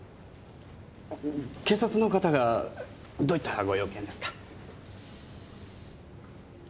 警察の方がどういったご用件ですか？